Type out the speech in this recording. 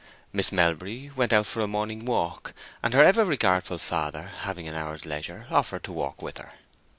Miss Melbury went out for a morning walk, and her ever regardful father, having an hour's leisure, offered to walk with her.